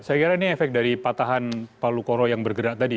saya kira ini efek dari patahan palu koro yang bergerak tadi